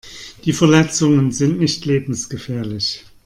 Die Verletzungen sind nicht lebensgefährlich.